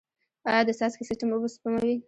آیا د څاڅکي سیستم اوبه سپموي؟